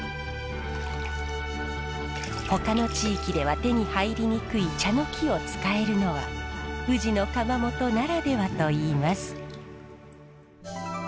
ほかの地域では手に入りにくい茶の木を使えるのは宇治の窯元ならではといいます。